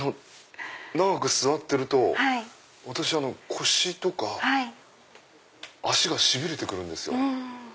長く座ってると私腰とか脚がしびれて来るんですよ。